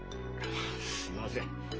すみません。